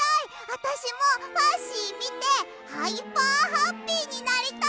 あたしもファッシーみてハイパーハッピーになりたい！